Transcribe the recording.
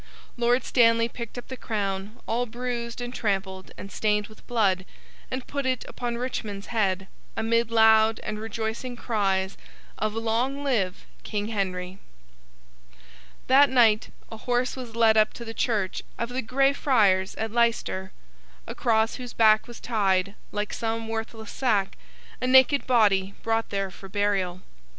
Lord Stanley picked up the crown, all bruised and trampled, and stained with blood, and put it upon Richmond's head, amid loud and rejoicing cries of 'Long live King Henry!' That night, a horse was led up to the church of the Grey Friars at Leicester; across whose back was tied, like some worthless sack, a naked body brought there for burial.